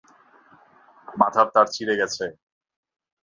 মাথার তার ছিঁড়ে গেছে?